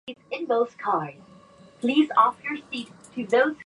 木からりんごが落ちた